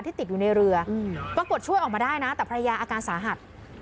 ติดอยู่ในเรือปรากฏช่วยออกมาได้นะแต่ภรรยาอาการสาหัส